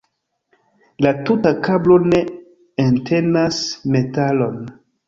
La tuta kablo ne entenas metalon.